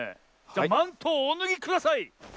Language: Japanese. マントをおぬぎください！